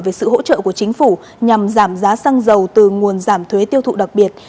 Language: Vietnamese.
về sự hỗ trợ của chính phủ nhằm giảm giá xăng dầu từ nguồn giảm thuế tiêu thụ đặc biệt